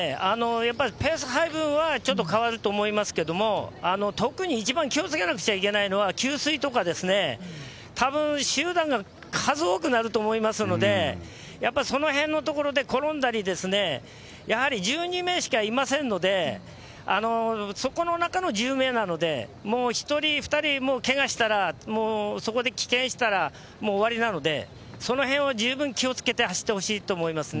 やっぱりペース配分はちょっと変わると思いますけれども、特に一番気をつけなくちゃいけないのは、給水とか、たぶん、集団が数多くなると思いますので、やっぱりそのへんのところで、転んだり、やはり１２名しかいませんので、そこの中の１０名なので、もう、１人、２人、けがしたら、もうそこで棄権したら、もう終わりなので、そのへんを十分気をつけて走ってほしいと思いますね。